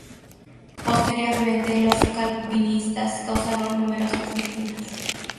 Posteriormente los calvinistas causaron numerosas víctimas.